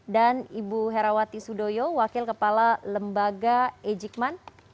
dan ibu herawati sudoyo wakil kepala lembaga ejikman